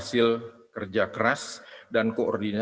sebuah pengebisaan esokrowang dari global islamic finance